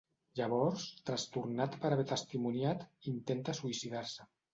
Llavors, trastornat per haver testimoniat, intenta suïcidar-se.